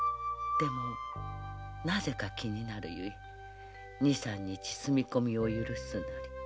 でもなぜか気になるゆえ二三日住み込みを許す